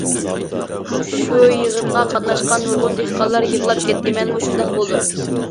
شۇ يىغىنغا قاتناشقان نۇرغۇن دېھقانلار يىغلاپ كەتتى، مەنمۇ شۇنداق بولدۇم.